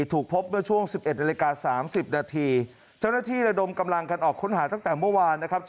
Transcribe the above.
ถูกพบในช่วงสิบเอ็ดในรายการสามสิบนาทีเจ้าหน้าที่และดมกำลังกันออกค้นหาตั้งแต่เมื่อวานนะครับ